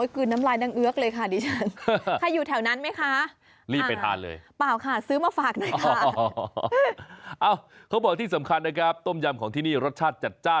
กลืนน้ำลายนั่งเอื้อกเลยค่ะดิฉันใครอยู่แถวนั้นไหมคะ